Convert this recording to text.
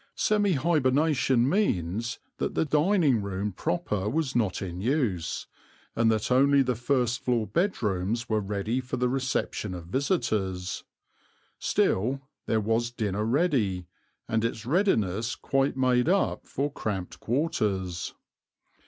Semi hibernation means that the dining room proper was not in use, and that only the first floor bedrooms were ready for the reception of visitors. Still, there was dinner ready, and its readiness quite made up for cramped quarters.